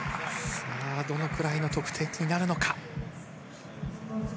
どのくらいの得点になるのか。